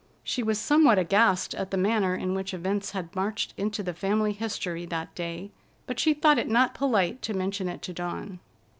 She was somewhat aghast at the manner in which events had marched into the family history that day, but she thought it not polite to mention it to Dawn.